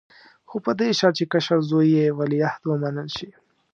خو په دې شرط چې کشر زوی یې ولیعهد ومنل شي.